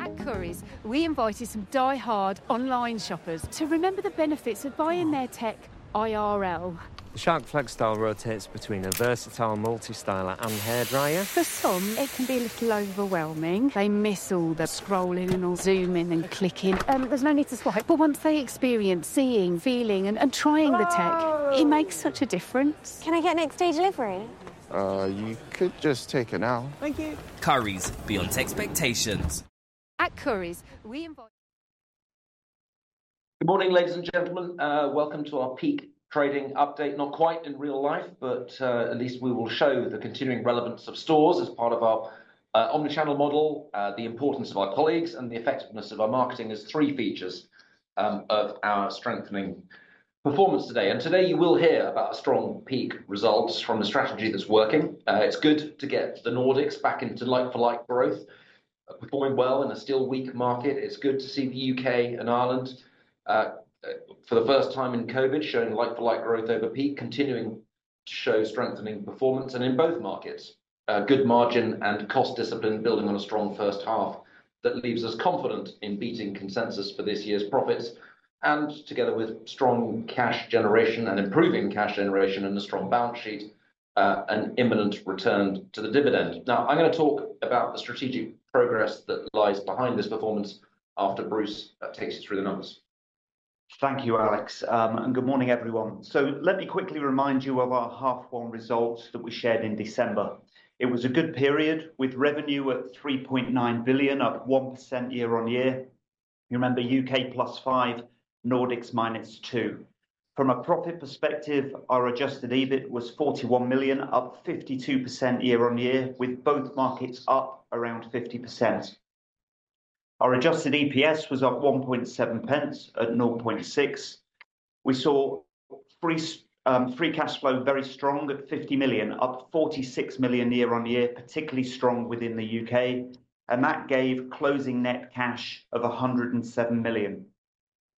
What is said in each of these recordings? At Currys, we invited some die-hard online shoppers to remember the benefits of buying their tech IRL. The Shark FlexStyle rotates between a versatile multistyler and hairdryer. For some, it can be a little overwhelming. They miss all the scrolling and all zooming and clicking. There's no need to swipe, but once they experience seeing, feeling, and trying the tech, it makes such a difference. Can I get an XD delivery? You could just take a now. Thank you. Currys, beyond expectations. At Currys, we invite. Good morning, ladies and gentlemen. Welcome to our Peak Trading Update, not quite in real life, but at least we will show the continuing relevance of stores as part of our omnichannel model, the importance of our colleagues, and the effectiveness of our marketing as three features of our strengthening performance today, and today you will hear about strong peak results from the strategy that's working. It's good to get the Nordics back into like-for-like growth, performing well in a still weak market. It's good to see the U.K. and Ireland for the first time in COVID showing like-for-like growth over peak, continuing to show strengthening performance in both markets, good margin and cost discipline building on a strong first half that leaves us confident in beating consensus for this year's profits. Together with strong cash generation and improving cash generation and a strong balance sheet, an imminent return to the dividend. Now, I'm going to talk about the strategic progress that lies behind this performance after Bruce takes us through the numbers. Thank you, Alex. Good morning, everyone. Let me quickly remind you of our half-year results that we shared in December. It was a good period with revenue at 3.9 billion, up 1% year on year. You remember U.K. plus five, Nordics minus two. From a profit perspective, our adjusted EBIT was 41 million, up 52% year on year, with both markets up around 50%. Our adjusted EPS was up 1.7 pence at 0.6. We saw free cash flow very strong at 50 million, up 46 million year on year, particularly strong within the U.K.. That gave closing net cash of 107 million.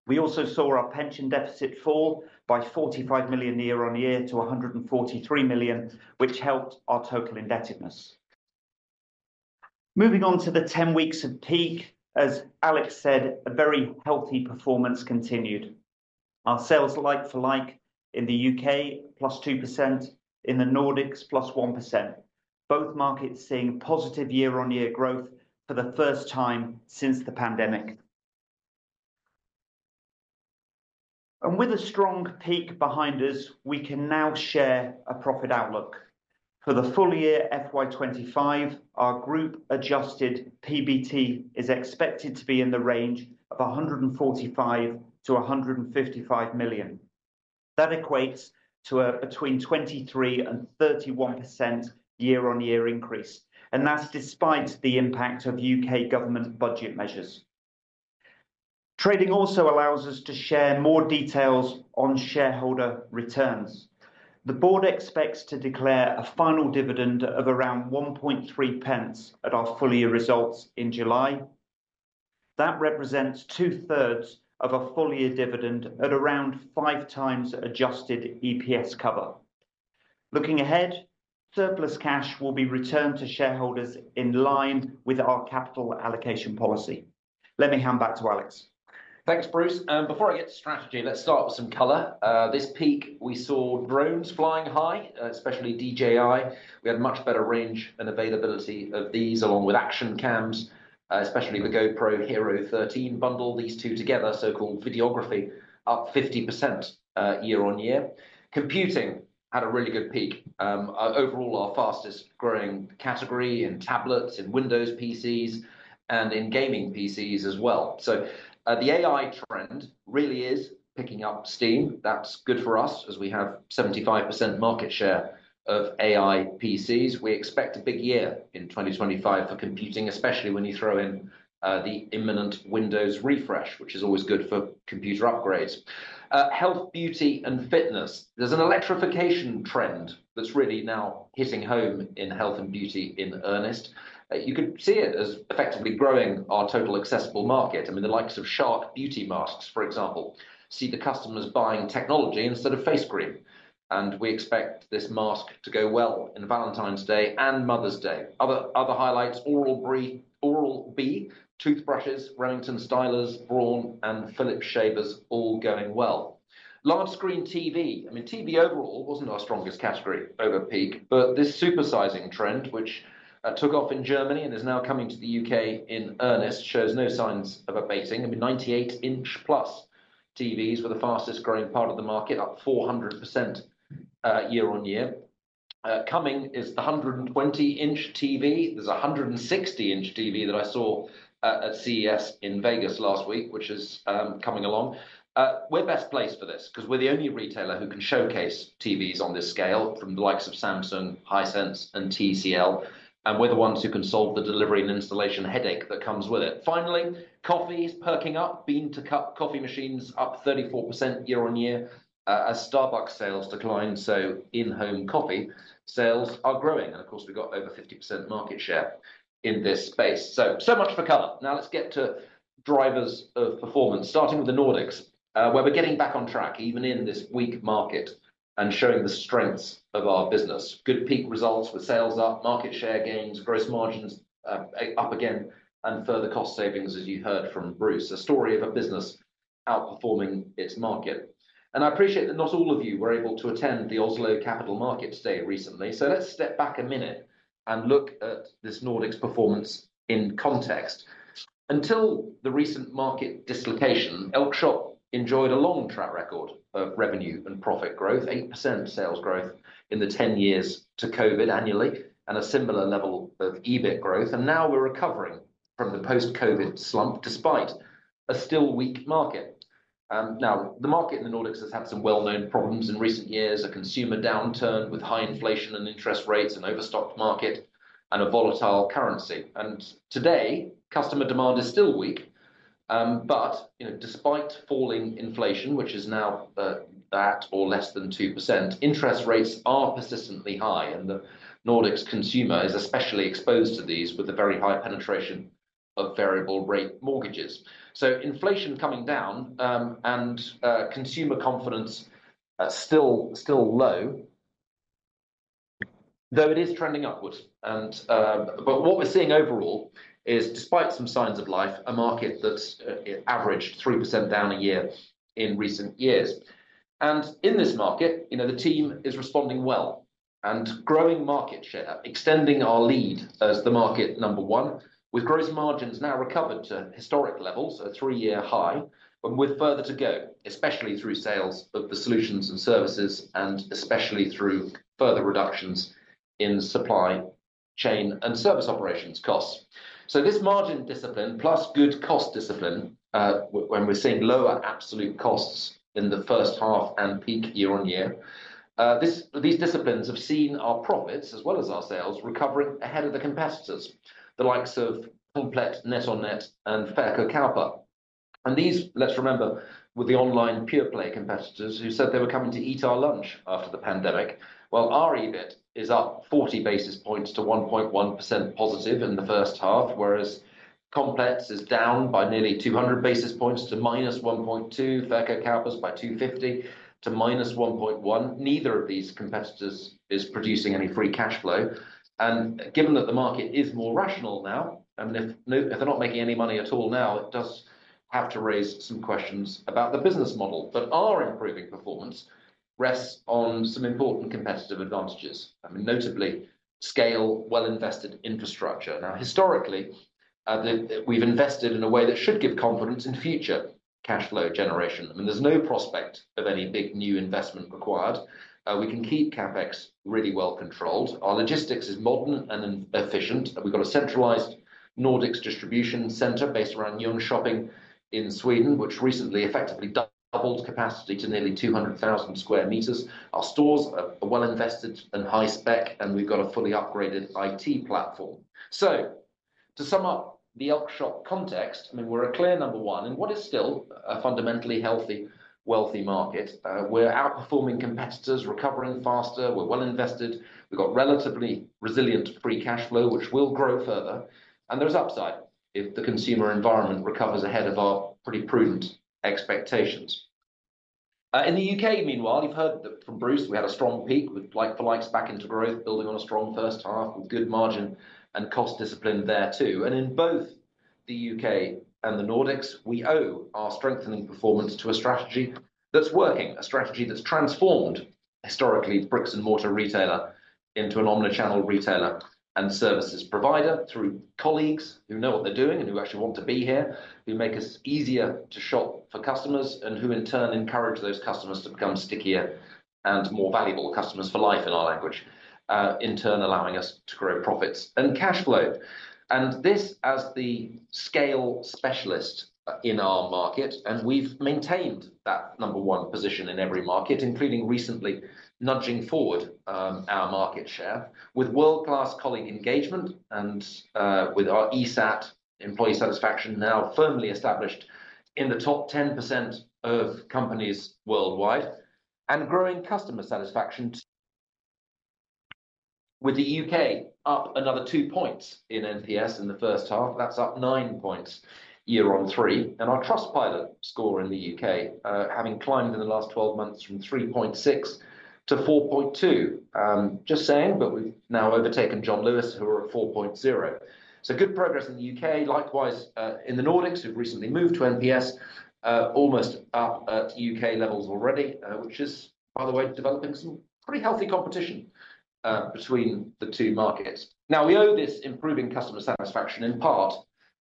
We also saw our pension deficit fall by 45 million year on year to 143 million, which helped our total indebtedness. Moving on to the 10 weeks of peak, as Alex said, a very healthy performance continued. Our sales are like-for-like in the U.K., plus 2%, in the Nordics, plus 1%. Both markets seeing positive year-on-year growth for the first time since the pandemic. And with a strong peak behind us, we can now share a profit outlook. For the full year FY25, our group adjusted PBT is expected to be in the range of 145-155 million. That equates to a between 23 and 31% year-on-year increase. And that's despite the impact of U.K. government budget measures. Trading also allows us to share more details on shareholder returns. The board expects to declare a final dividend of around 0.013 at our full year results in July. That represents two-thirds of a full year dividend at around five times adjusted EPS cover. Looking ahead, surplus cash will be returned to shareholders in line with our capital allocation policy. Let me hand back to Alex. Thanks, Bruce. And before I get to strategy, let's start with some color. This peak, we saw drones flying high, especially DJI. We had much better range and availability of these along with action cams, especially the GoPro HERO13 bundle. These two together, so-called videography, up 50% year on year. Computing had a really good peak. Overall, our fastest growing category in tablets, in Windows PCs, and in gaming PCs as well. So the AI trend really is picking up steam. That's good for us as we have 75% market share of AI PCs. We expect a big year in 2025 for computing, especially when you throw in the imminent Windows refresh, which is always good for computer upgrades. Health, beauty, and fitness. There's an electrification trend that's really now hitting home in health and beauty in earnest. You could see it as effectively growing our total accessible market. I mean, the likes of Shark Beauty masks, for example, see the customers buying technology instead of face cream. And we expect this mask to go well in Valentine's Day and Mother's Day. Other highlights, Oral-B toothbrushes, Remington stylers, Braun, and Philips shavers all going well. Large screen TV. I mean, TV overall wasn't our strongest category over peak, but this supersizing trend, which took off in Germany and is now coming to the U.K. in earnest, shows no signs of abating. I mean, 98-inch plus TVs were the fastest growing part of the market, up 400% year on year. Coming is the 120-inch TV. There's a 160-inch TV that I saw at CES in Vegas last week, which is coming along. We're best placed for this because we're the only retailer who can showcase TVs on this scale from the likes of Samsung, Hisense, and TCL. And we're the ones who can solve the delivery and installation headache that comes with it. Finally, coffee is perking up. Bean-to-cup coffee machines up 34% year on year as Starbucks sales decline. So in-home coffee sales are growing. And of course, we've got over 50% market share in this space. So much for color. Now let's get to drivers of performance, starting with the Nordics, where we're getting back on track even in this weak market and showing the strengths of our business. Good peak results with sales up, market share gains, gross margins up again, and further cost savings, as you heard from Bruce, a story of a business outperforming its market. And I appreciate that not all of you were able to attend the Oslo Capital Markets Day recently. So let's step back a minute and look at this Nordics performance in context. Until the recent market dislocation, Elkjøp enjoyed a long track record of revenue and profit growth, 8% sales growth in the 10 years to COVID annually, and a similar level of EBIT growth. Now we're recovering from the post-COVID slump despite a still weak market. The market in the Nordics has had some well-known problems in recent years, a consumer downturn with high inflation and interest rates and overstocked market and a volatile currency. Today, customer demand is still weak. Despite falling inflation, which is now at or less than 2%, interest rates are persistently high. The Nordics consumer is especially exposed to these with a very high penetration of variable-rate mortgages. Inflation coming down and consumer confidence still low, though it is trending upwards. But what we're seeing overall is, despite some signs of life, a market that averaged 3% down a year in recent years. And in this market, the team is responding well and growing market share, extending our lead as the market number one, with gross margins now recovered to historic levels, a three-year high, but with further to go, especially through sales of the solutions and services, and especially through further reductions in supply chain and service operations costs. So this margin discipline, plus good cost discipline, when we're seeing lower absolute costs in the first half and peaked year on year, these disciplines have seen our profits as well as our sales recovering ahead of the competitors, the likes of Komplett, NetOnNet, and Verkkokauppa.com. And these, let's remember, were the online pure-play competitors who said they were coming to eat our lunch after the pandemic. Our EBIT is up 40 basis points to positive 1.1% in the first half, whereas Komplett is down by nearly 200 basis points to minus 1.2%, Verkkokauppa.com's by 250 to minus 1.1%. Neither of these competitors is producing any free cash flow. Given that the market is more rational now, and if they're not making any money at all now, it does have to raise some questions about the business model. Our improving performance rests on some important competitive advantages. I mean, notably, scale, well-invested infrastructure. Now, historically, we've invested in a way that should give confidence in future cash flow generation. I mean, there's no prospect of any big new investment required. We can keep CapEx really well controlled. Our logistics is modern and efficient. We've got a centralized Nordics distribution center based around Jönköping in Sweden, which recently effectively doubled capacity to nearly 200,000 square meters. Our stores are well-invested and high spec, and we've got a fully upgraded IT platform, so to sum up the Elkjøp context, I mean, we're a clear number one in what is still a fundamentally healthy, wealthy market. We're outperforming competitors, recovering faster. We're well-invested. We've got relatively resilient free cash flow, which will grow further, and there's upside if the consumer environment recovers ahead of our pretty prudent expectations. In the U.K., meanwhile, you've heard from Bruce, we had a strong peak with like-for-like back into growth, building on a strong first half with good margin and cost discipline there too. And in both the U.K. and the Nordics, we owe our strengthening performance to a strategy that's working, a strategy that's transformed historically the bricks-and-mortar retailer into an omnichannel retailer and services provider through colleagues who know what they're doing and who actually want to be here, who make us easier to shop for customers, and who in turn encourage those customers to become stickier and more valuable Customers for Life in our language, in turn allowing us to grow profits and cash flow. And this as the scale specialist in our market. And we've maintained that number one position in every market, including recently nudging forward our market share with world-class colleague engagement and with our ESAT employee satisfaction now firmly established in the top 10% of companies worldwide and growing customer satisfaction. With the U.K. up another two points in NPS in the first half, that's up nine points year-on-year. Our Trustpilot score in the U.K. having climbed in the last 12 months from 3.6 to 4.2. Just saying, but we've now overtaken John Lewis, who are at 4.0. So good progress in the U.K.. Likewise, in the Nordics, who've recently moved to NPS, almost up at U.K. levels already, which is, by the way, developing some pretty healthy competition between the two markets. Now, we owe this improving customer satisfaction in part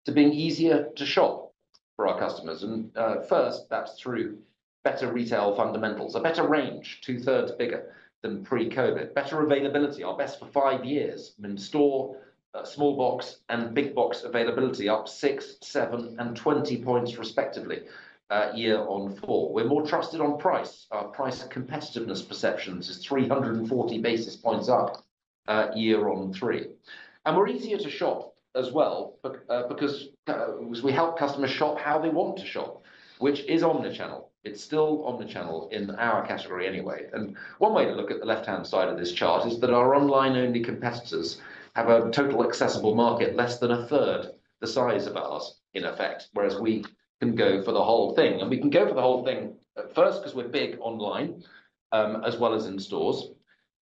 to being easier to shop for our customers. And first, that's through better retail fundamentals, a better range, two-thirds bigger than pre-COVID, better availability, our best for five years. I mean, store small box and big box availability up six, seven, and 20 points respectively year-on-year. We're more trusted on price. Our price competitiveness perceptions is 340 basis points up year on three. And we're easier to shop as well because we help customers shop how they want to shop, which is omnichannel. It's still omnichannel in our category anyway. And one way to look at the left-hand side of this chart is that our online-only competitors have a total accessible market less than a third the size of ours in effect, whereas we can go for the whole thing. And we can go for the whole thing at first because we're big online as well as in stores.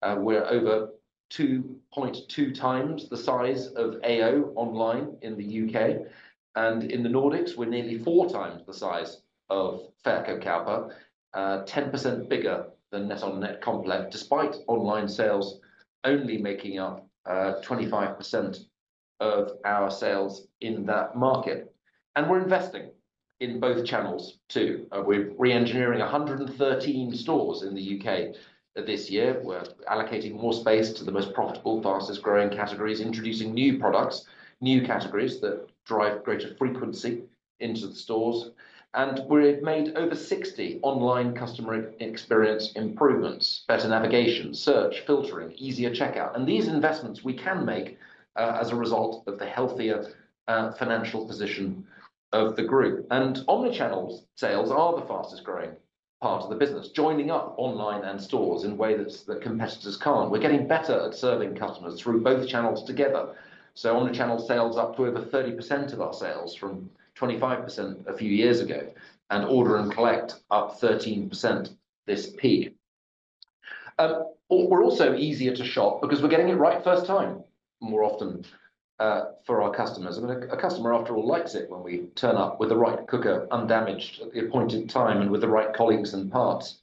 We're over 2.2 times the size of AO online in the U.K.. And in the Nordics, we're nearly four times the size of Verkkokauppa.com, 10% bigger than NetOnNet, Komplett, despite online sales only making up 25% of our sales in that market. And we're investing in both channels too. We're re-engineering 113 stores in the U.K. this year. We're allocating more space to the most profitable, fastest-growing categories, introducing new products, new categories that drive greater frequency into the stores. And we've made over 60 online customer experience improvements, better navigation, search, filtering, easier checkout. And these investments we can make as a result of the healthier financial position of the group. And omnichannel sales are the fastest-growing part of the business, joining up online and stores in a way that competitors can't. We're getting better at serving customers through both channels together. So omnichannel sales up to over 30% of our sales from 25% a few years ago and Order & Collect up 13% this peak. We're also easier to shop because we're getting it right first time more often for our customers. I mean, a customer, after all, likes it when we turn up with the right cooker undamaged at the appointed time and with the right colleagues and parts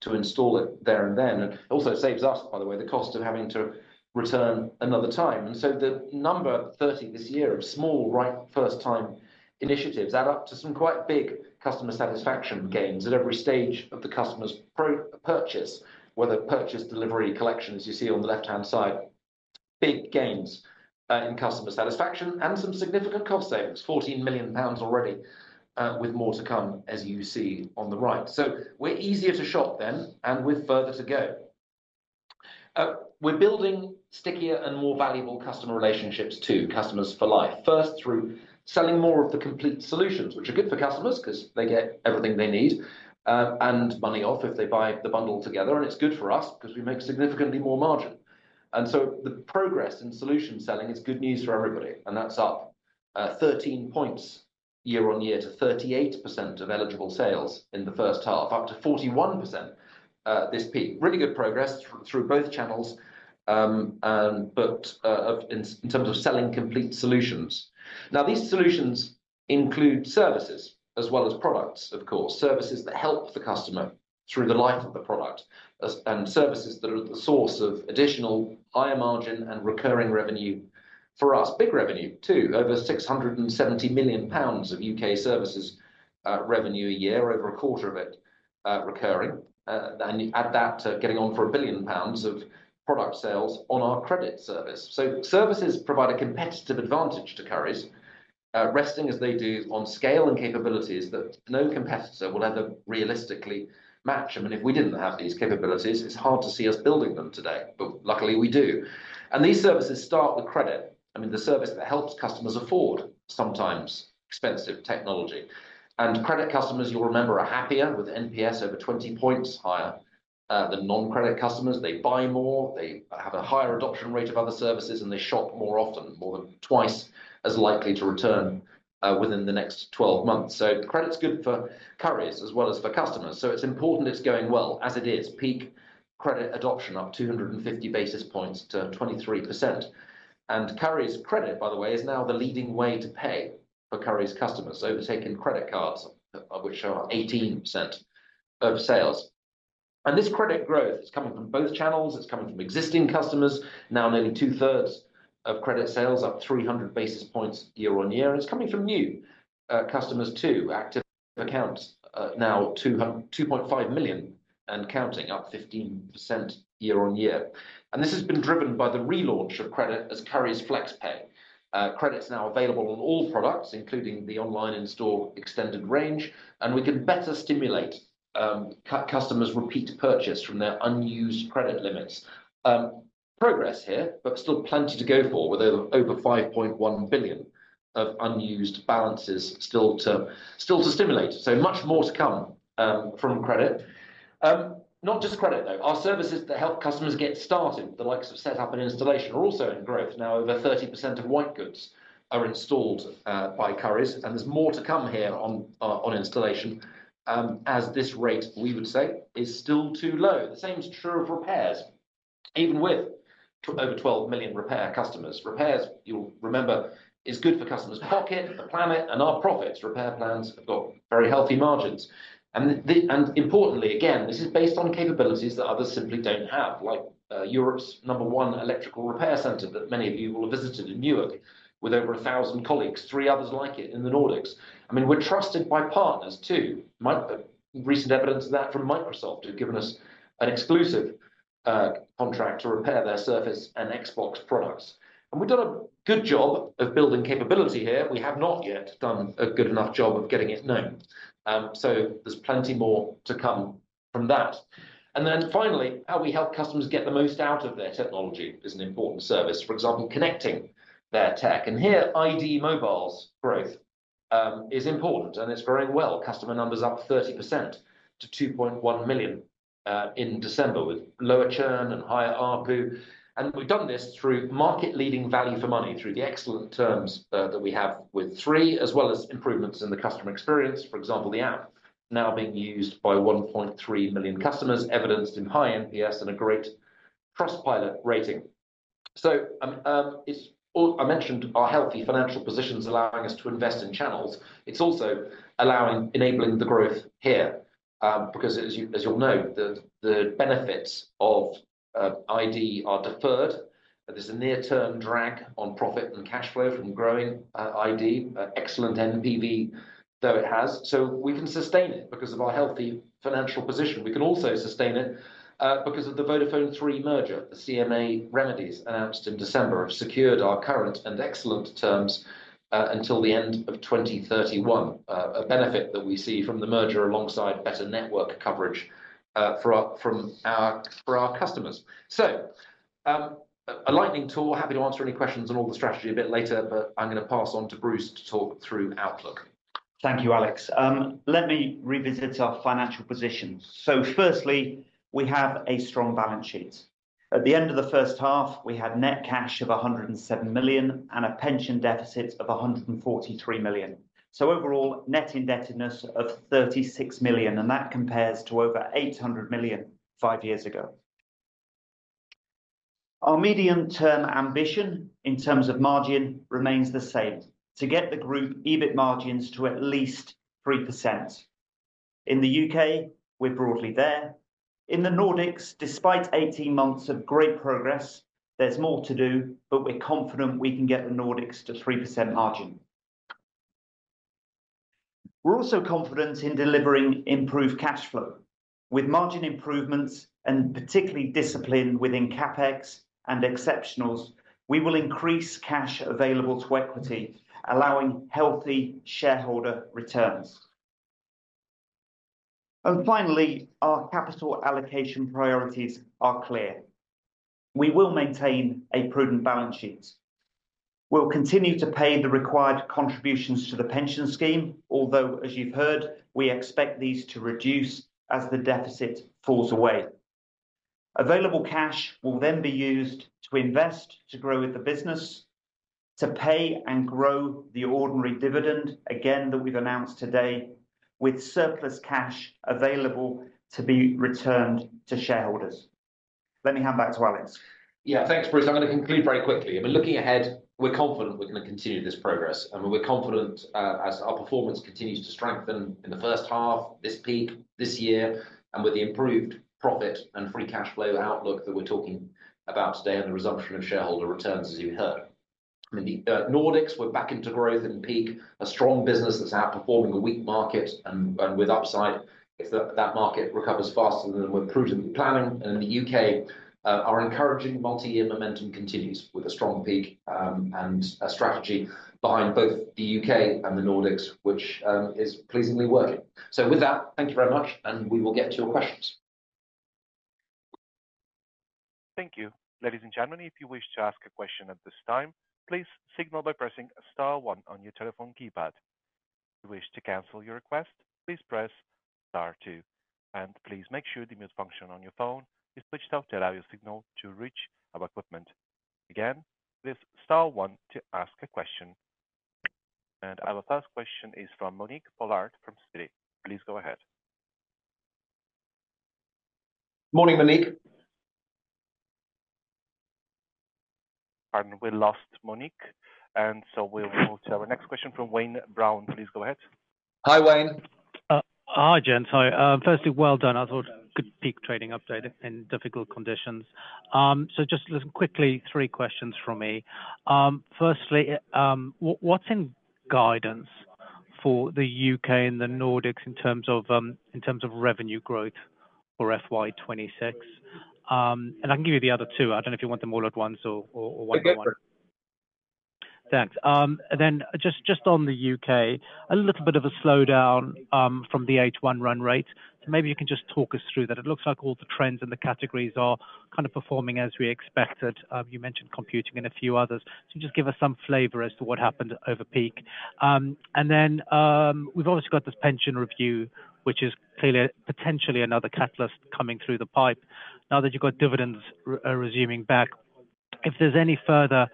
to install it there and then. And it also saves us, by the way, the cost of having to return another time. And so the number 30 this year of small Right First Time initiatives add up to some quite big customer satisfaction gains at every stage of the customer's purchase, whether purchase, delivery, collection, as you see on the left-hand side. Big gains in customer satisfaction and some significant cost savings, 14 million pounds already with more to come, as you see on the right. So we're easier to shop then and with further to go. We're building stickier and more valuable customer relationships too, customers for life. First, through selling more of the complete solutions, which are good for customers because they get everything they need and money off if they buy the bundle together. And it's good for us because we make significantly more margin. And so the progress in solution selling, it's good news for everybody. And that's up 13 points year on year to 38% of eligible sales in the first half, up to 41% this peak. Really good progress through both channels, but in terms of selling complete solutions. Now, these solutions include services as well as products, of course, services that help the customer through the life of the product and services that are the source of additional higher margin and recurring revenue for us. Big revenue too, over 670 million pounds of U.K. services revenue a year, over a quarter of it recurring. And add that to getting on for 1 billion pounds of product sales on our credit service. So services provide a competitive advantage to Currys, resting as they do on scale and capabilities that no competitor will ever realistically match. I mean, if we didn't have these capabilities, it's hard to see us building them today. But luckily, we do. And these services start with credit. I mean, the service that helps customers afford sometimes expensive technology. And credit customers, you'll remember, are happier with NPS over 20 points higher than non-credit customers. They buy more. They have a higher adoption rate of other services, and they shop more often, more than twice as likely to return within the next 12 months. So credit's good for Currys as well as for customers. So it's important it's going well as it is. Peak credit adoption up 250 basis points to 23%. Currys credit, by the way, is now the leading way to pay for Currys customers, overtaking credit cards, which are 18% of sales. And this credit growth is coming from both channels. It's coming from existing customers, now nearly two-thirds of credit sales, up 300 basis points year on year. And it's coming from new customers too, active accounts, now 2.5 million and counting, up 15% year on year. And this has been driven by the relaunch of credit as Currys FlexPay. Credit's now available on all products, including the online, in-store extended range. And we can better stimulate customers' repeat purchase from their unused credit limits. Progress here, but still plenty to go for with over 5.1 billion of unused balances still to stimulate. So much more to come from credit. Not just credit, though. Our services that help customers get started, the likes of setup and installation, are also in growth. Now, over 30% of white goods are installed by Currys. And there's more to come here on installation as this rate, we would say, is still too low. The same's true of repairs, even with over 12 million repair customers. Repairs, you'll remember, is good for customers' pocket, the planet, and our profits. Repair plans have got very healthy margins. And importantly, again, this is based on capabilities that others simply don't have, like Europe's number one electrical repair center that many of you will have visited in Newark with over 1,000 colleagues, three others like it in the Nordics. I mean, we're trusted by partners too. Recent evidence of that from Microsoft who've given us an exclusive contract to repair their Surface and Xbox products. And we've done a good job of building capability here. We have not yet done a good enough job of getting it known. So there's plenty more to come from that. And then finally, how we help customers get the most out of their technology is an important service, for example, connecting their tech. And here, iD Mobile's growth is important, and it's growing well. Customer numbers up 30% to 2.1 million in December with lower churn and higher RPU. And we've done this through market-leading value for money through the excellent terms that we have with 3, as well as improvements in the customer experience. For example, the app now being used by 1.3 million customers, evidenced in high NPS and a great Trustpilot rating. So I mentioned our healthy financial positions allowing us to invest in channels. It's also enabling the growth here because, as you'll know, the benefits of iD are deferred. There's a near-term drag on profit and cash flow from growing iD, excellent NPV, though it has. So we can sustain it because of our healthy financial position. We can also sustain it because of the Vodafone Three merger. The CMA Remedies announced in December have secured our current and excellent terms until the end of 2031, a benefit that we see from the merger alongside better network coverage for our customers. So a lightning tour. Happy to answer any questions on all the strategy a bit later, but I'm going to pass on to Bruce to talk through outlook. Thank you, Alex. Let me revisit our financial positions. So firstly, we have a strong balance sheet. At the end of the first half, we had net cash of 107 million and a pension deficit of 143 million. So overall, net indebtedness of 36 million. And that compares to over 800 million five years ago. Our medium-term ambition in terms of margin remains the same: to get the group EBIT margins to at least 3%. In the U.K., we're broadly there. In the Nordics, despite 18 months of great progress, there's more to do, but we're confident we can get the Nordics to 3% margin. We're also confident in delivering improved cash flow. With margin improvements and particularly discipline within CapEx and exceptionals, we will increase cash available to equity, allowing healthy shareholder returns. And finally, our capital allocation priorities are clear. We will maintain a prudent balance sheet. We'll continue to pay the required contributions to the pension scheme, although, as you've heard, we expect these to reduce as the deficit falls away. Available cash will then be used to invest, to grow with the business, to pay and grow the ordinary dividend, again, that we've announced today, with surplus cash available to be returned to shareholders. Let me hand back to Alex. Yeah, thanks, Bruce. I'm going to conclude very quickly. I mean, looking ahead, we're confident we're going to continue this progress. I mean, we're confident as our performance continues to strengthen in the first half, this peak, this year, and with the improved profit and free cash flow outlook that we're talking about today and the resumption of shareholder returns, as you heard. I mean, the Nordics, we're back into growth and peak, a strong business that's outperforming a weak market. With upside, if that market recovers faster than we're prudently planning. In the U.K., our encouraging multi-year momentum continues with a strong peak and a strategy behind both the U.K. and the Nordics, which is pleasingly working. With that, thank you very much, and we will get to your questions. Thank you. Ladies and gentlemen, if you wish to ask a question at this time, please signal by pressing star 1 one on your telephone keypad. If you wish to cancel your request, please press star two. Please make sure the mute function on your phone is switched off to allow your signal to reach our equipment. Again, press Star 1 to ask a question. Our first question is from Monique Pollard from Citi. Please go ahead. Morning, Monique. Pardon, we lost Monique. We'll move to our next question from Wayne Brown. Please go ahead. Hi, Wayne. Hi, thanks. Hi. Firstly, well done. I thought good peak trading update in difficult conditions. So just quickly, three questions from me. Firstly, what's in guidance for the U.K and the Nordics in terms of revenue growth for FY26? And I can give you the other two. I don't know if you want them all at once or one at once. Thanks. Then just on the U.K., a little bit of a slowdown from the H1 run rate. Maybe you can just talk us through that. It looks like all the trends and the categories are kind of performing as we expected. You mentioned computing and a few others. So just give us some flavor as to what happened over peak. And then we've obviously got this pension review, which is clearly potentially another catalyst coming through the pipe. Now that you've got dividends resuming back, if there's any further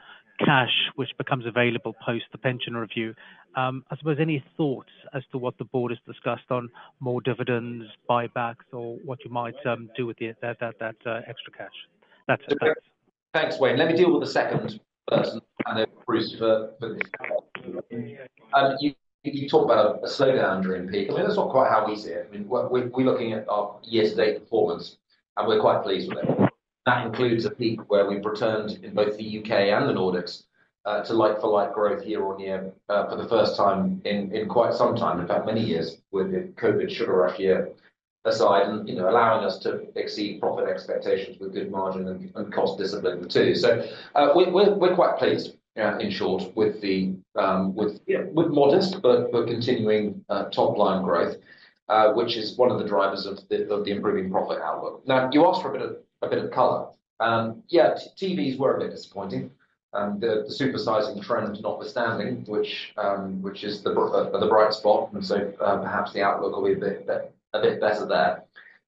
cash which becomes available post the pension review, I suppose any thoughts as to what the board has discussed on more dividends, buybacks, or what you might do with that extra cash? That's it Thanks, Wayne. Let me deal with the second person, Bruce, for this. You talked about a slowdown during peak. I mean, that's not quite how we see it. I mean, we're looking at our year-to-date performance, and we're quite pleased with it. That includes a peak where we've returned in both the U.K. and the Nordics to like-for-like growth year on year for the first time in quite some time, in fact, many years with the COVID sugar rush year aside, and allowing us to exceed profit expectations with good margin and cost discipline too. So we're quite pleased, in short, with modest but continuing top-line growth, which is one of the drivers of the improving profit outlook. Now, you asked for a bit of color. Yeah, TVs were a bit disappointing. The super-sizing trend notwithstanding, which is the bright spot. And so perhaps the outlook will be a bit better there.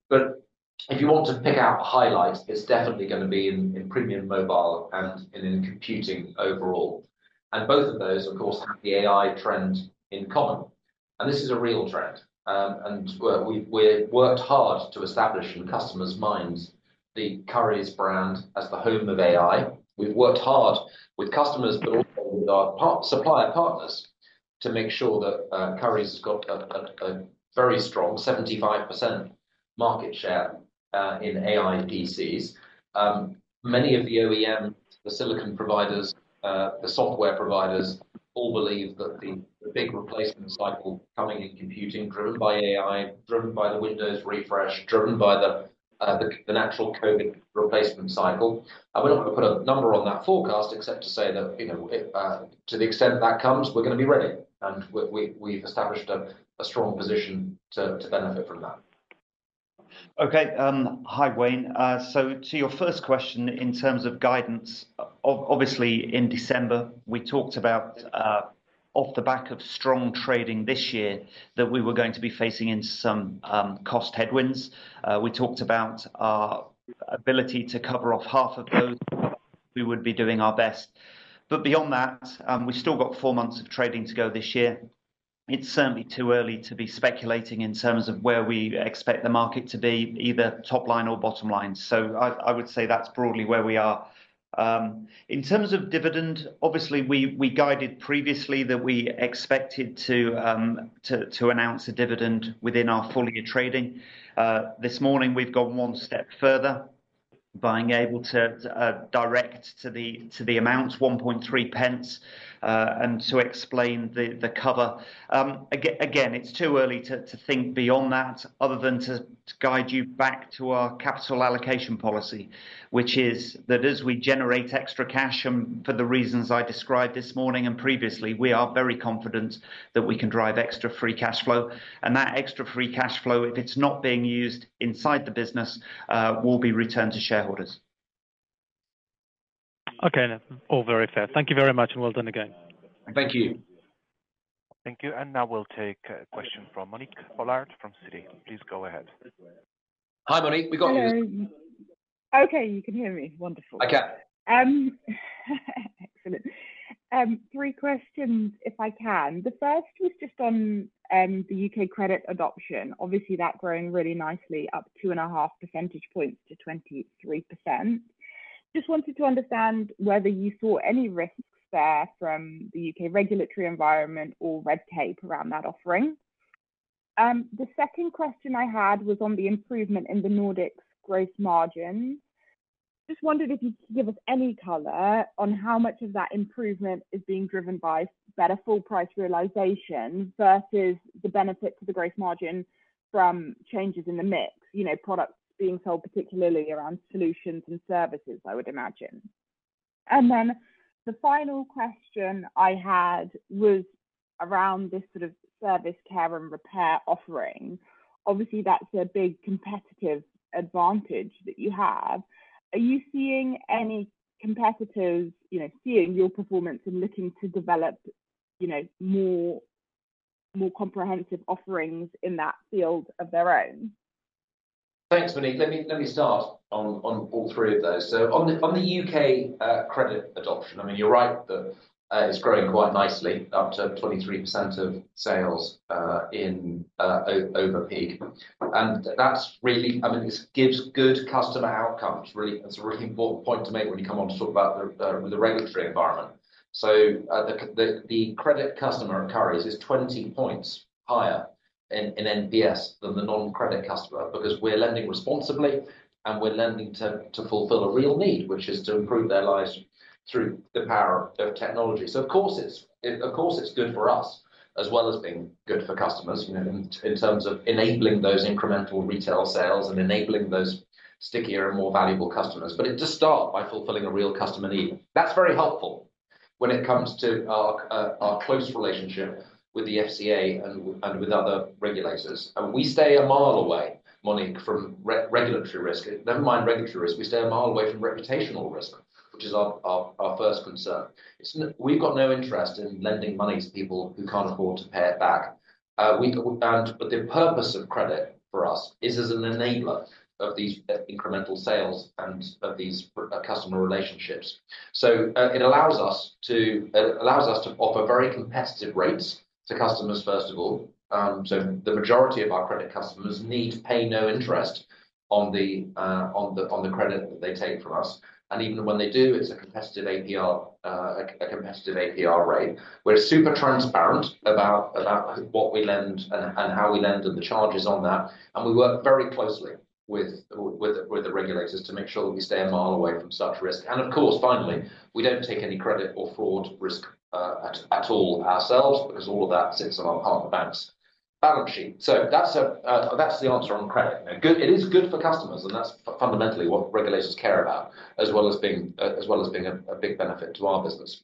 But if you want to pick out highlights, it's definitely going to be in premium mobile and in computing overall. And both of those, of course, have the AI trend in common. And this is a real trend. And we've worked hard to establish in customers' minds the Currys brand as the home of AI. We've worked hard with customers, but also with our supplier partners to make sure that Currys got a very strong 75% market share in AI PCs. Many of the OEMs, the silicon providers, the software providers all believe that the big replacement cycle coming in computing, driven by AI, driven by the Windows refresh, driven by the natural COVID replacement cycle. I wouldn't want to put a number on that forecast except to say that to the extent that comes, we're going to be ready, and we've established a strong position to benefit from that. Okay. Hi, Wayne, so to your first question in terms of guidance, obviously, in December, we talked about off the back of strong trading this year that we were going to be facing in some cost headwinds. We talked about our ability to cover off half of those. We would be doing our best, but beyond that, we've still got four months of trading to go this year. It's certainly too early to be speculating in terms of where we expect the market to be, either top line or bottom line. So I would say that's broadly where we are. In terms of dividend, obviously, we guided previously that we expected to announce a dividend within our full year trading. This morning, we've gone one step further, being able to direct to the amount, 0.013, and to explain the cover. Again, it's too early to think beyond that other than to guide you back to our capital allocation policy, which is that as we generate extra cash for the reasons I described this morning and previously, we are very confident that we can drive extra Free Cash Flow. And that extra Free Cash Flow, if it's not being used inside the business, will be returned to shareholders. Okay. All very fair. Thank you very much, and well done again. Thank you. Thank you. And now we'll take a question from Monique Pollard from Citi. Please go ahead. Hi, Monique. We got you. Okay. You can hear me. Wonderful. Three questions, if I can. The first was just on the UK credit adoption. Obviously, that's growing really nicely up 2.5 percentage points to 23%. Just wanted to understand whether you saw any risks there from the UK regulatory environment or red tape around that offering. The second question I had was on the improvement in the Nordics' gross margins. Just wondered if you could give us any color on how much of that improvement is being driven by better full-price realization versus the benefit to the gross margin from changes in the mix, products being sold particularly around solutions and services, I would imagine. And then the final question I had was around this sort of service care and repair offering. Obviously, that's a big competitive advantage that you have. Are you seeing any competitors seeing your performance and looking to develop more comprehensive offerings in that field of their own? Thanks, Monique. Let me start on all three of those. So on the UK credit adoption, I mean, you're right that it's growing quite nicely up to 23% of sales over peak. And that's really, I mean, this gives good customer outcomes. It's a really important point to make when you come on to talk about the regulatory environment. So the credit customer at Currys is 20 points higher in NPS than the non-credit customer because we're lending responsibly, and we're lending to fulfill a real need, which is to improve their lives through the power of technology. So, of course, it's good for us as well as being good for customers in terms of enabling those incremental retail sales and enabling those stickier and more valuable customers. But it does start by fulfilling a real customer need. That's very helpful when it comes to our close relationship with the FCA and with other regulators. And we stay a mile away, Monique, from regulatory risk. Never mind regulatory risk. We stay a mile away from reputational risk, which is our first concern. We've got no interest in lending money to people who can't afford to pay it back. But the purpose of credit for us is as an enabler of these incremental sales and of these customer relationships. So it allows us to offer very competitive rates to customers, first of all. So the majority of our credit customers need to pay no interest on the credit that they take from us. And even when they do, it's a competitive APR rate. We're super transparent about what we lend and how we lend and the charges on that. And we work very closely with the regulators to make sure that we stay a mile away from such risk. And of course, finally, we don't take any credit or fraud risk at all ourselves because all of that sits on our partner banks' balance sheet. So that's the answer on credit. It is good for customers, and that's fundamentally what regulators care about, as well as being a big benefit to our business.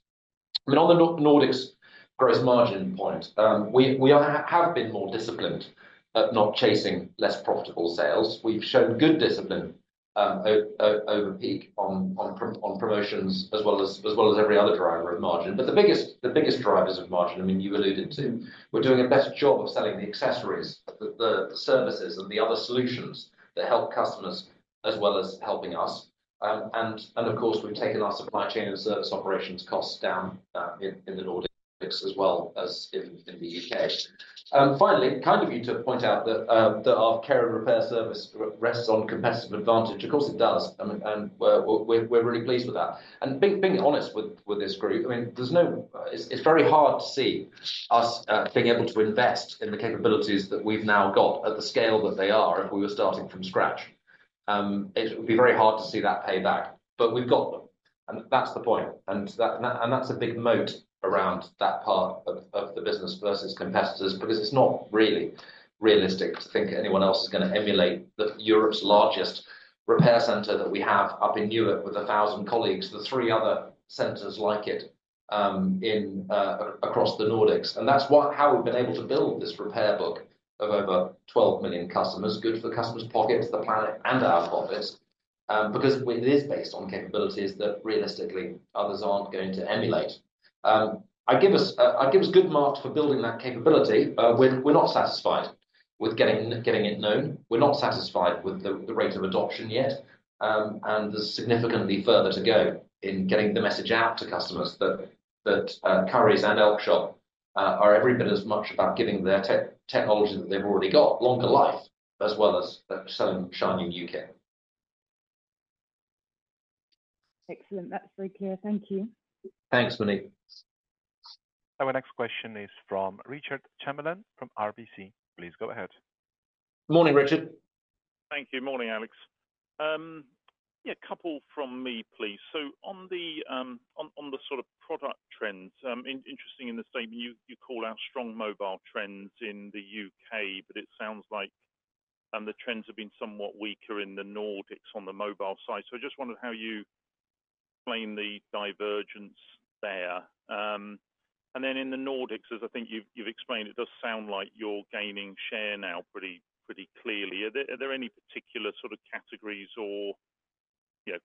I mean, on the Nordics' gross margin point, we have been more disciplined at not chasing less profitable sales. We've shown good discipline over peak on promotions as well as every other driver of margin. But the biggest drivers of margin, I mean, you alluded to, we're doing a better job of selling the accessories, the services, and the other solutions that help customers as well as helping us. And of course, we've taken our supply chain and service operations costs down in the Nordics as well as in the U.K. Finally, kind of you to point out that our care and repair service rests on competitive advantage. Of course, it does. And we're really pleased with that. And being honest with this group, I mean, it's very hard to see us being able to invest in the capabilities that we've now got at the scale that they are if we were starting from scratch. It would be very hard to see that payback. But we've got them. And that's the point. And that's a big moat around that part of the business versus competitors because it's not really realistic to think anyone else is going to emulate Europe's largest repair center that we have up in Europe with 1,000 colleagues, the three other centers like it across the Nordics. And that's how we've been able to build this repair book of over 12 million customers, good for customers' pockets, the planet, and our pockets, because it is based on capabilities that realistically others aren't going to emulate. I give us good mark for building that capability. We're not satisfied with getting it known. We're not satisfied with the rate of adoption yet. There's significantly further to go in getting the message out to customers that Currys and Elkjøp are every bit as much about giving their technology that they've already got longer life as well as selling shine in the U.K. Excellent. That's very clear. Thank you. Thanks, Monique. Our next question is from Richard Chamberlain from RBC. Please go ahead. Morning, Richard. Thank you. Morning, Alex. Yeah, a couple from me, please. So on the sort of product trends, interesting in the statement you call out strong mobile trends in the U.K., but it sounds like the trends have been somewhat weaker in the Nordics on the mobile side. So I just wondered how you explain the divergence there. And then in the Nordics, as I think you've explained, it does sound like you're gaining share now pretty clearly. Are there any particular sort of categories or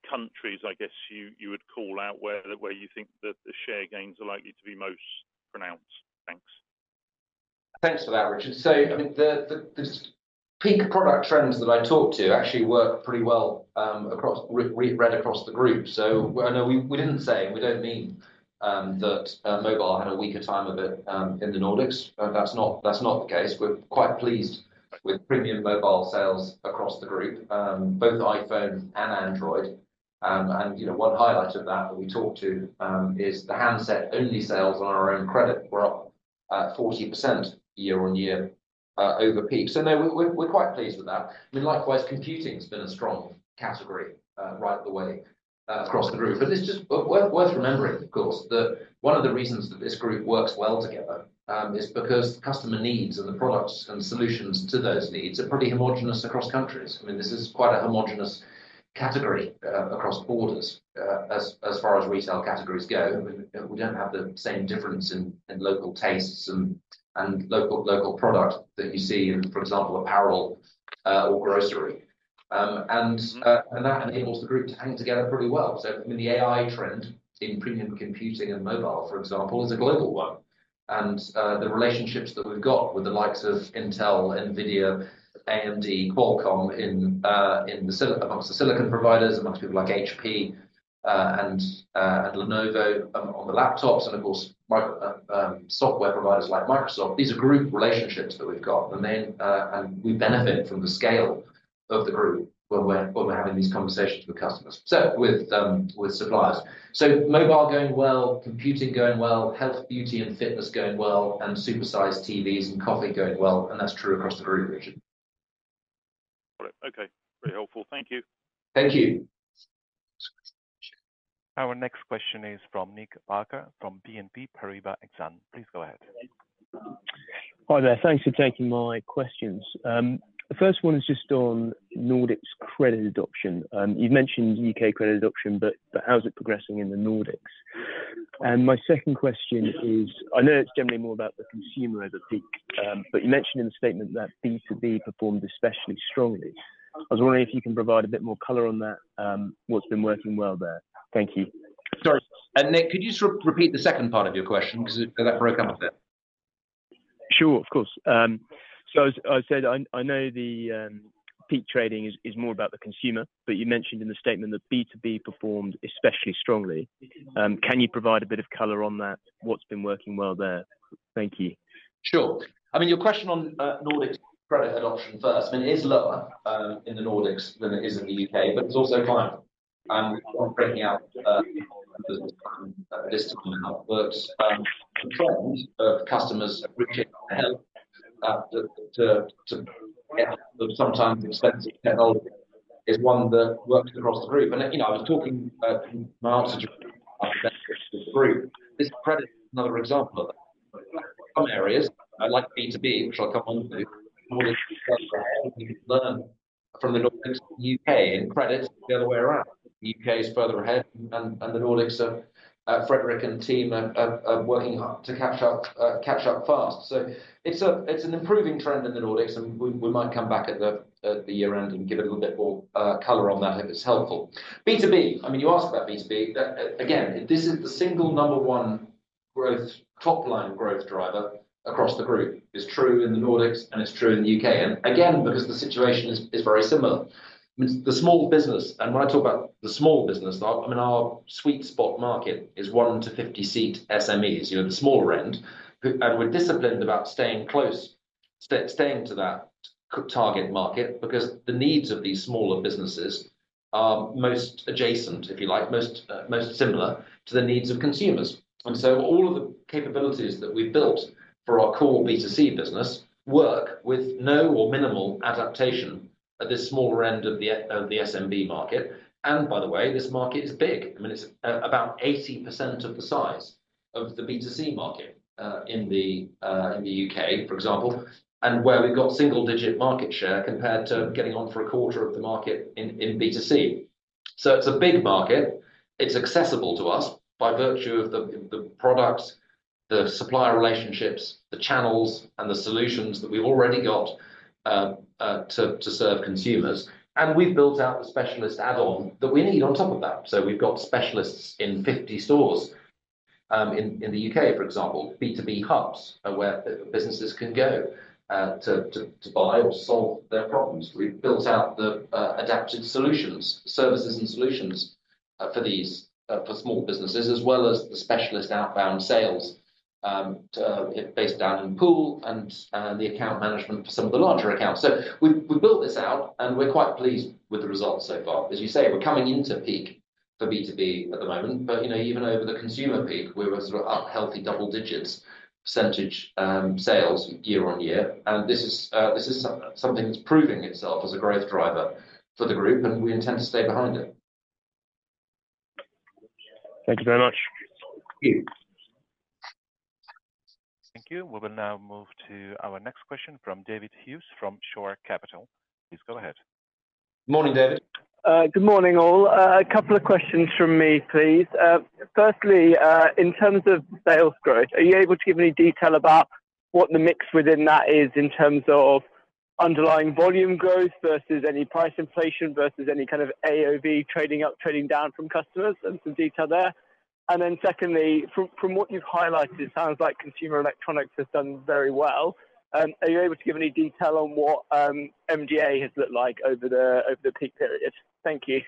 countries, I guess, you would call out where you think that the share gains are likely to be most pronounced? Thanks. Thanks for that, Richard. So I mean, the peak product trends that I talked to actually work pretty well read across the group. So I know we didn't say, and we don't mean that mobile had a weaker time of it in the Nordics. That's not the case. We're quite pleased with premium mobile sales across the group, both iPhone and Android. And one highlight of that that we talked to is the handset-only sales on our own credit were up 40% year on year over peak. So no, we're quite pleased with that. I mean, likewise, computing has been a strong category right the way across the group. And it's just worth remembering, of course, that one of the reasons that this group works well together is because customer needs and the products and solutions to those needs are pretty homogeneous across countries. I mean, this is quite a homogeneous category across borders as far as retail categories go. We don't have the same difference in local tastes and local products that you see in, for example, apparel or grocery. And that enables the group to hang together pretty well. So I mean, the AI trend in premium computing and mobile, for example, is a global one. And the relationships that we've got with the likes of Intel, NVIDIA, AMD, Qualcomm amongst the silicon providers, amongst people like HP and Lenovo on the laptops, and of course, software providers like Microsoft, these are group relationships that we've got. And we benefit from the scale of the group when we're having these conversations with customers, with suppliers. So mobile going well, computing going well, health, beauty, and fitness going well, and supersized TVs and coffee going well. And that's true across the group, Richard. Got it. Okay. Very helpful. Thank you. Thank you. Our next question is from Nick Boulter from BNP Paribas Exane. Please go ahead. Hi there. Thanks for taking my questions. The first one is just on Nordics' credit adoption. You've mentioned U.K. credit adoption, but how's it progressing in the Nordics? And my second question is, I know it's generally more about the consumer over peak, but you mentioned in the statement that B2B performed especially strongly. I was wondering if you can provide a bit more color on that, what's been working well there. Thank you. Sorry. Nick, could you sort of repeat the second part of your question because that broke up a bit? Sure, of course. So I said I know the peak trading is more about the consumer, but you mentioned in the statement that B2B performed especially strongly. Can you provide a bit of color on that, what's been working well there? Thank you. Sure. I mean, your question on Nordics' credit adoption first, I mean, it is lower in the Nordics than it is in the U.K., but it's also fine. And I'm breaking out a list of some outputs. The trend of customers reaching out to help to get sometimes expensive technology is one that works across the group. And I was talking my answer to the group. This credit is another example of that. Some areas, like B2B, which I'll come on to. Nordics are ahead and learn from the Nordics and the U.K. in credit the other way around. The U.K. is further ahead, and the Nordics, Fredrik and team, are working to catch up fast. So it's an improving trend in the Nordics, and we might come back at the year-end and give a little bit more color on that if it's helpful. B2B, I mean, you asked about B2B. Again, this is the single number one top-line growth driver across the group. It's true in the Nordics, and it's true in the U.K. And again, because the situation is very similar. I mean, the small business, and when I talk about the small business, I mean, our sweet spot market is one to 50-seat SMEs, the smaller end. And we're disciplined about staying close to that target market because the needs of these smaller businesses are most adjacent, if you like, most similar to the needs of consumers. And so all of the capabilities that we've built for our core B2C business work with no or minimal adaptation at this smaller end of the SMB market. And by the way, this market is big. I mean, it's about 80% of the size of the B2C market in the U.K., for example, and where we've got single-digit market share compared to getting on for a quarter of the market in B2C. So it's a big market. It's accessible to us by virtue of the products, the supplier relationships, the channels, and the solutions that we've already got to serve consumers. And we've built out the specialist add-on that we need on top of that. We've got specialists in 50 stores in the U.K., for example, B2B hubs where businesses can go to buy or solve their problems. We've built out the adapted solutions, services, and solutions for these small businesses, as well as the specialist outbound sales based down in Poole and the account management for some of the larger accounts. We've built this out, and we're quite pleased with the results so far. As you say, we're coming into peak for B2B at the moment, but even over the consumer peak, we were sort of up healthy double-digit % sales year on year, and this is something that's proving itself as a growth driver for the group, and we intend to stay behind it. Thank you very much. Thank you. Thank you. We will now move to our next question from David Hughes from Shore Capital. Please go ahead. Morning, David. Good morning, all. A couple of questions from me, please. Firstly, in terms of sales growth, are you able to give any detail about what the mix within that is in terms of underlying volume growth versus any price inflation versus any kind of AOV trading up, trading down from customers and some detail there? And then secondly, from what you've highlighted, it sounds like consumer electronics has done very well. Are you able to give any detail on what MDA has looked like over the peak period? Thank you.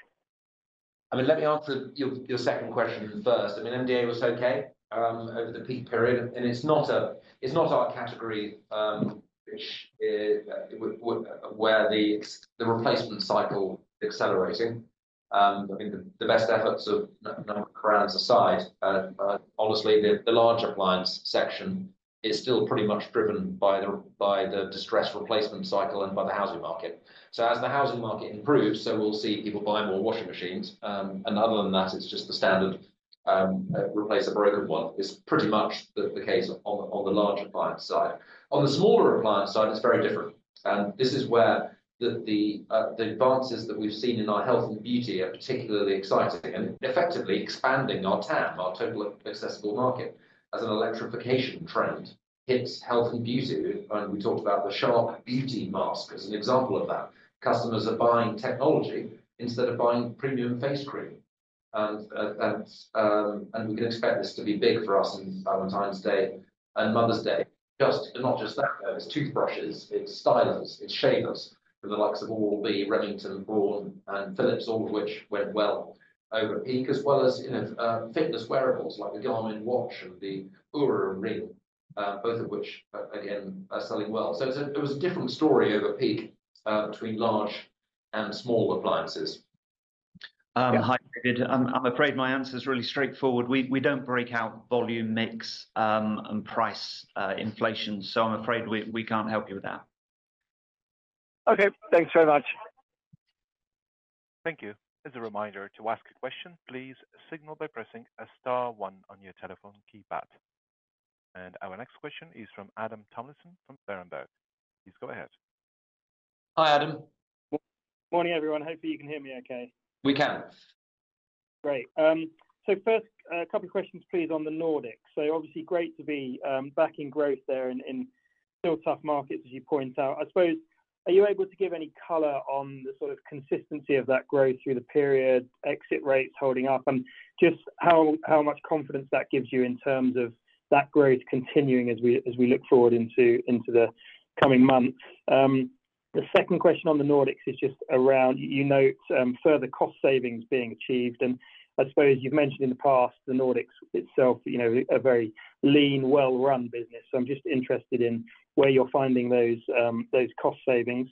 I mean, let me answer your second question first. I mean, MDA was okay over the peak period. And it's not our category where the replacement cycle is accelerating. I mean, the best efforts of number of brands aside, honestly, the large appliance section is still pretty much driven by the distressed replacement cycle and by the housing market. So as the housing market improves, so we'll see people buy more washing machines. And other than that, it's just the standard replace a broken one. It's pretty much the case on the large appliance side. On the smaller appliance side, it's very different. And this is where the advances that we've seen in our health and beauty are particularly exciting and effectively expanding our TAM, our total accessible market, as an electrification trend hits health and beauty. And we talked about the Shark Beauty Mask as an example of that. Customers are buying technology instead of buying premium face cream. And we can expect this to be big for us on Valentine's Day and Mother's Day. Not just that, though. It's toothbrushes. It's stylers. It's shavers for the likes of Oral-B, Remington, Braun, and Philips, all of which went well over peak, as well as fitness wearables like the Garmin Watch and the Oura Ring, both of which, again, are selling well. So it was a different story over peak between large and small appliances. Hi, David. I'm afraid my answer is really straightforward. We don't break out volume mix and price inflation. So I'm afraid we can't help you with that. Okay. Thanks very much. Thank you. As a reminder, to ask a question, please signal by pressing a star one on your telephone keypad. And our next question is from Adam Tomlinson from Berenberg. Please go ahead. Hi, Adam. Morning, everyone. Hopefully, you can hear me okay. We can. Great. So first, a couple of questions, please, on the Nordics. So obviously, great to be back in growth there in still tough markets, as you point out. I suppose, are you able to give any color on the sort of consistency of that growth through the period, exit rates holding up, and just how much confidence that gives you in terms of that growth continuing as we look forward into the coming months? The second question on the Nordics is just around you note further cost savings being achieved. And I suppose you've mentioned in the past the Nordics itself are a very lean, well-run business. So I'm just interested in where you're finding those cost savings.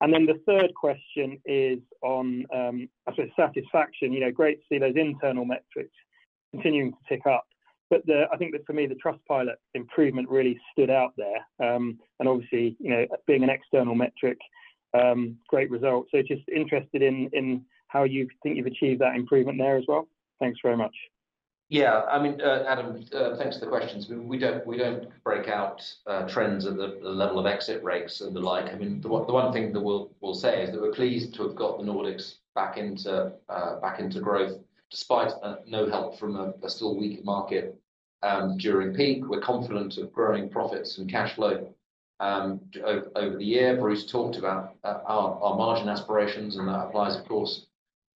And then the third question is on, I suppose, satisfaction. Great to see those internal metrics continuing to tick up. But I think that for me, the Trustpilot improvement really stood out there. And obviously, being an external metric, great result. So just interested in how you think you've achieved that improvement there as well. Thanks very much. Yeah. I mean, Adam, thanks for the questions. We don't break out trends at the level of exit rates and the like. I mean, the one thing that we'll say is that we're pleased to have got the Nordics back into growth despite no help from a still weak market during peak. We're confident of growing profits and cash flow over the year. Bruce talked about our margin aspirations, and that applies,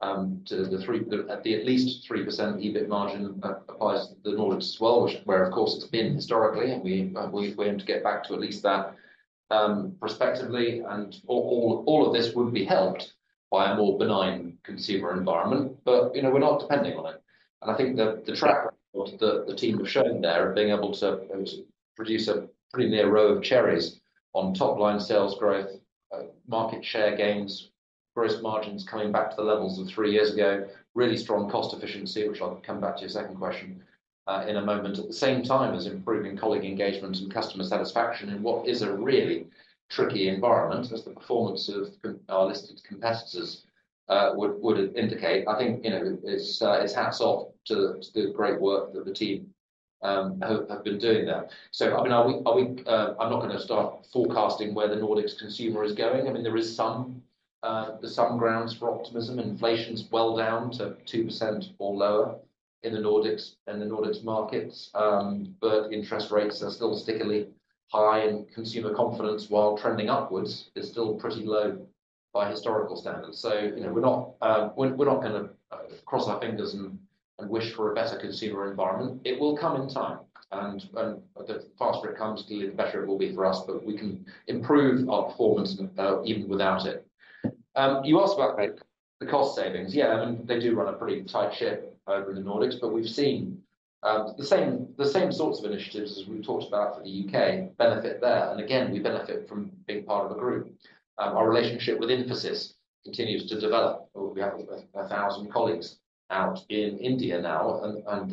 of course, to the at least 3% EBIT margin applies to the Nordics as well, where, of course, it's been historically, and we aim to get back to at least that respectively. And all of this wouldn't be helped by a more benign consumer environment. But we're not depending on it. And I think the track record that the team have shown there of being able to produce a pretty near row of cherries on top-line sales growth, market share gains, gross margins coming back to the levels of three years ago, really strong cost efficiency, which I'll come back to your second question in a moment, at the same time as improving colleague engagement and customer satisfaction in what is a really tricky environment, as the performance of our listed competitors would indicate. I think it's hats off to the great work that the team have been doing there. So I mean, I'm not going to start forecasting where the Nordics consumer is going. I mean, there are some grounds for optimism. Inflation's well down to 2% or lower in the Nordics and the Nordics markets. But interest rates are still stickily high, and consumer confidence while trending upwards is still pretty low by historical standards. So we're not going to cross our fingers and wish for a better consumer environment. It will come in time. And the faster it comes, the better it will be for us. But we can improve our performance even without it. You asked about the cost savings. Yeah. I mean, they do run a pretty tight ship over in the Nordics, but we've seen the same sorts of initiatives as we've talked about for the U.K. benefit there. And again, we benefit from being part of a group. Our relationship with Infosys continues to develop. We have 1,000 colleagues out in India now, and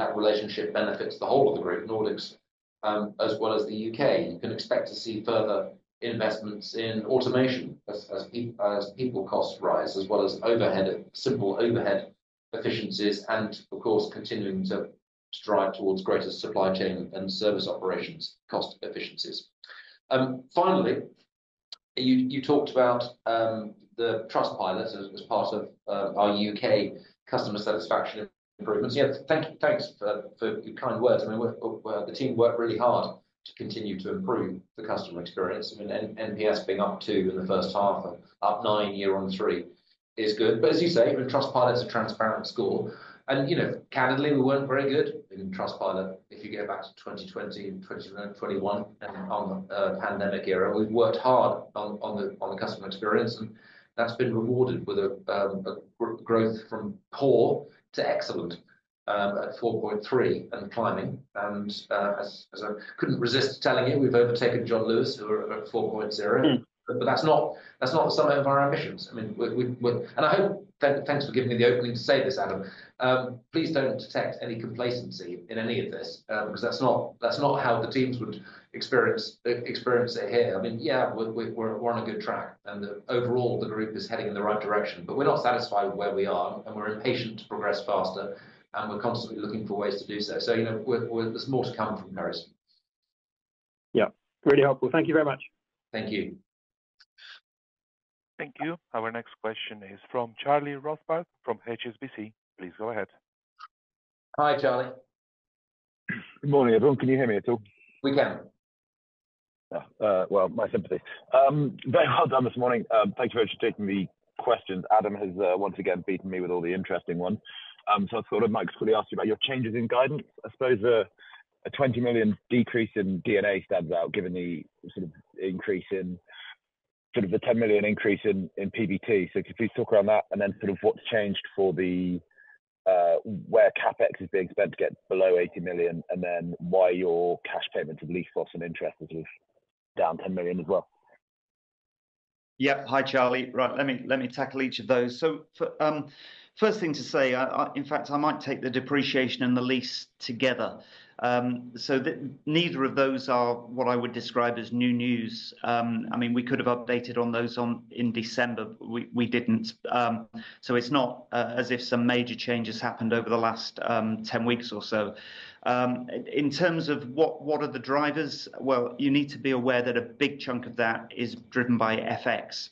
that relationship benefits the whole of the group, Nordics, as well as the U.K.` You can expect to see further investments in automation as people costs rise, as well as simple overhead efficiencies and, of course, continuing to strive towards greater supply chain and service operations cost efficiencies. Finally, you talked about the Trustpilot as part of our U.K. customer satisfaction improvements. Yeah. Thanks for your kind words. I mean, the team worked really hard to continue to improve the customer experience. I mean, NPS being up two in the first half, up nine year-on-year is good, but as you say, even Trustpilot's a transparent score, and candidly, we weren't very good in Trustpilot if you go back to 2020 and 2021 and pandemic era. We've worked hard on the customer experience, and that's been rewarded with a growth from poor to excellent at 4.3 and climbing, and I couldn't resist telling you we've overtaken John Lewis at 4.0. But that's not the sum of our ambitions. I mean, and I hope thanks for giving me the opening to say this, Adam. Please don't detect any complacency in any of this because that's not how the teams would experience it here. I mean, yeah, we're on a good track. And overall, the group is heading in the right direction. But we're not satisfied with where we are, and we're impatient to progress faster, and we're constantly looking for ways to do so. So there's more to come from Harrison. Yeah. Really helpful. Thank you very much. Thank you. Thank you. Our next question is from Charlie Rothbarth from HSBC. Please go ahead. Hi, Charlie. Good morning, everyone. Can you hear me at all? We can. Well, my sympathy. Well done this morning. Thank you very much for taking the questions. Adam has once again beaten me with all the interesting ones. So I thought I might just quickly ask you about your changes in guidance. I suppose a 20 million decrease in D&A stands out given the sort of increase in sort of the 10 million increase in PBT. So could you please talk around that and then sort of what's changed for where CapEx is being spent to get below 80 million and then why your cash payments of lease, loss, and interest are sort of down 10 million as well? Yep. Hi, Charlie. Right. Let me tackle each of those. So first thing to say, in fact, I might take the depreciation and the lease together. So neither of those are what I would describe as new news. I mean, we could have updated on those in December. We didn't. So it's not as if some major changes happened over the last 10 weeks or so. In terms of what are the drivers, well, you need to be aware that a big chunk of that is driven by FX.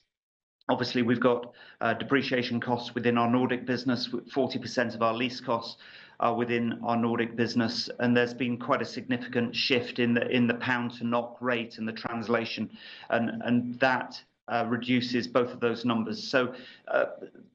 Obviously, we've got depreciation costs within our Nordics business. 40% of our lease costs are within our Nordics business. And there's been quite a significant shift in the pound-to-NOK rate and the translation. And that reduces both of those numbers. So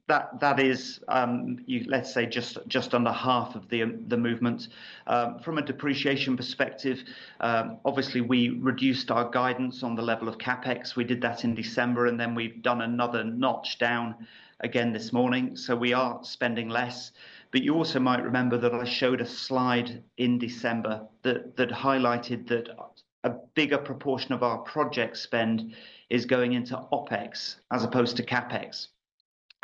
that is, let's say, just under half of the movement. From a depreciation perspective, obviously, we reduced our guidance on the level of CapEx. We did that in December, and then we've done another notch down again this morning. So we are spending less. But you also might remember that I showed a slide in December that highlighted that a bigger proportion of our project spend is going into OpEx as opposed to CapEx.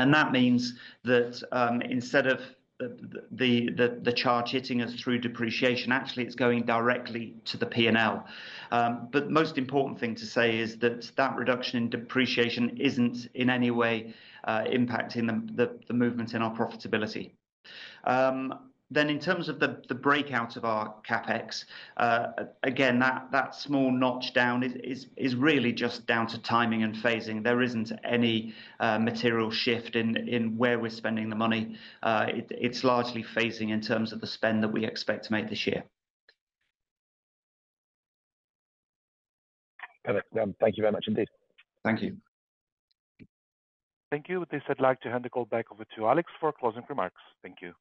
And that means that instead of the charge hitting us through depreciation, actually, it's going directly to the P&L. But the most important thing to say is that that reduction in depreciation isn't in any way impacting the movement in our profitability. Then in terms of the breakout of our CapEx, again, that small notch down is really just down to timing and phasing. There isn't any material shift in where we're spending the money. It's largely phasing in terms of the spend that we expect to make this year. Perfect. Thank you very much indeed. Thank you. Thank you. With this, I'd like to hand the call back over to Alex for closing remarks. Thank you.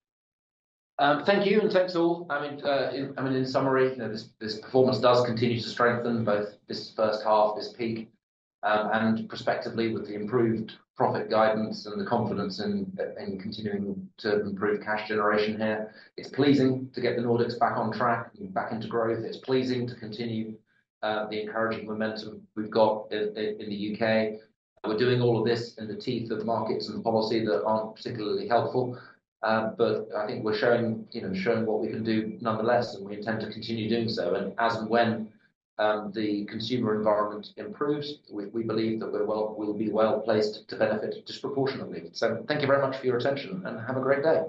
Thank you. And thanks all. I mean, in summary, this performance does continue to strengthen both this first half, this peak, and prospectively with the improved profit guidance and the confidence in continuing to improve cash generation here. It's pleasing to get the Nordics back on track and back into growth. It's pleasing to continue the encouraging momentum we've got in the U.K.. We're doing all of this in the teeth of markets and policy that aren't particularly helpful. But I think we're showing what we can do nonetheless, and we intend to continue doing so. And as and when the consumer environment improves, we believe that we'll be well placed to benefit disproportionately. So thank you very much for your attention, and have a great day.